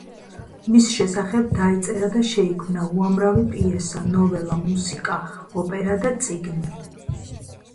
მის შესახებ დაიწერა და შეიქმნა უამრავი პიესა, ნოველა, მუსიკა, ოპერა და წიგნი.